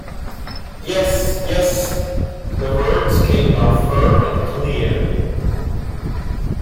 "Yes, yes" - the words came now firm and clear.